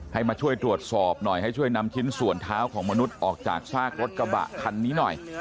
ให้มาช่วยตรวจสอบหน่อยให้ช่วยนำชิ้นส่วนเท้าของมนุษย์ออกจากซากรถกระบะคันนี้หน่อย